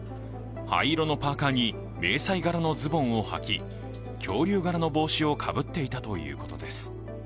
灰色のパーカーに迷彩柄のズボンをはき、恐竜柄の帽子をかぶっていたということです。